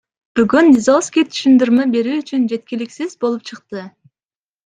Бүгүн Низовский түшүндүрмө берүү үчүн жеткиликсиз болуп чыкты.